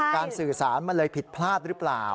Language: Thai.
สื่อสารมันเลยผิดพลาดหรือเปล่า